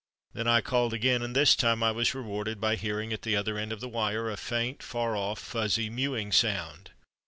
Then I called again and this time I was rewarded by hearing at the other end of the wire a faint far off, fuzzy, mewing sound.